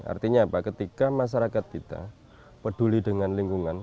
artinya apa ketika masyarakat kita peduli dengan lingkungan